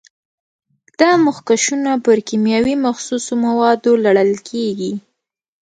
دا مخکشونه پر کیمیاوي مخصوصو موادو لړل کېږي.